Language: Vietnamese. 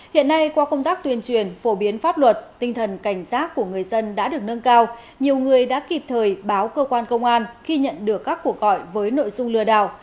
hiện nay qua công tác tuyên truyền phổ biến pháp luật tinh thần cảnh giác của người dân đã được nâng cao nhiều người đã kịp thời báo cơ quan công an khi nhận được các cuộc gọi với nội dung lừa đảo